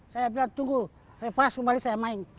saya bilang tunggu repas kembali saya main